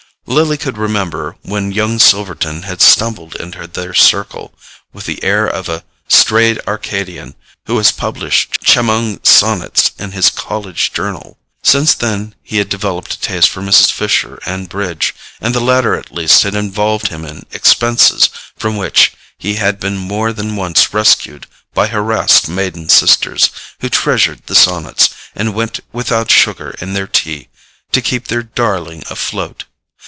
Lily could remember when young Silverton had stumbled into their circle, with the air of a strayed Arcadian who has published charming sonnets in his college journal. Since then he had developed a taste for Mrs. Fisher and bridge, and the latter at least had involved him in expenses from which he had been more than once rescued by harassed maiden sisters, who treasured the sonnets, and went without sugar in their tea to keep their darling afloat.